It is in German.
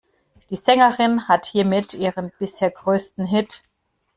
Die Sängerin hat hiermit ihren bisher größten Hit.